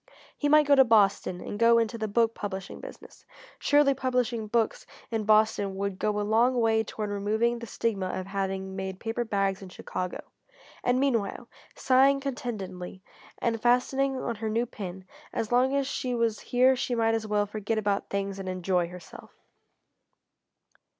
He might go to Boston and go into the book publishing business. Surely publishing books in Boston would go a long way toward removing the stigma of having made paper bags in Chicago. And meanwhile, sighing contentedly, and fastening on her new pin, as long as she was here she might as well forget about things and enjoy herself.